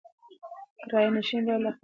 کرایه نشین باید له خپل حق څخه خبر وي.